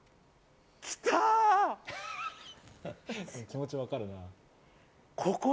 気持ちわかるな。